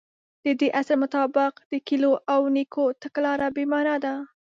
د دې اصل مطابق د ګيلو او نيوکو تګلاره بې معنا ده.